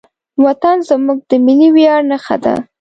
وطن زموږ د ملي ویاړ نښه ده.